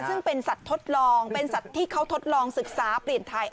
ซึ่งเป็นสัตว์ทดลองเป็นสัตว์ที่เขาทดลองศึกษาเปลี่ยนไทย